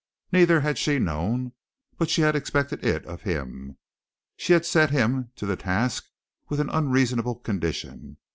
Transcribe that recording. Neither had she known, but she had expected it of him, she had set him to the task with an unreasonable condition.